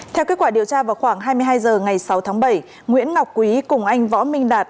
theo kết quả điều tra vào khoảng hai mươi hai h ngày sáu tháng bảy nguyễn ngọc quý cùng anh võ minh đạt